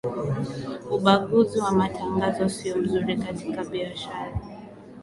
ubaguzi wa matangazo siyo mzuri katika biashara